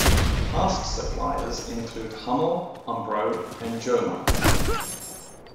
Past suppliers include Hummel, Umbro and Joma.